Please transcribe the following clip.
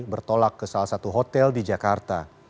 bertolak ke salah satu hotel di jakarta